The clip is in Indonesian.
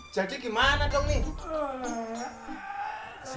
jadi gimana dong nih